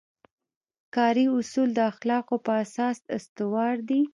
کاري اصول د اخلاقو په اساس استوار دي.